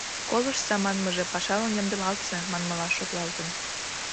«Колыштса» манмыже «пашалан ямдылалтса» манмыла шотлалтын.